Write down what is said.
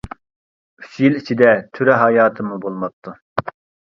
ئۈچ يىل ئىچىدە تۈرە ھاياتىممۇ بولماپتۇ.